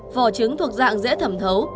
vỏ trứng thuộc dạng dễ thẩm thấu